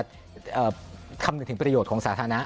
คำนึงถึงประโยชน์ของสาธารณะ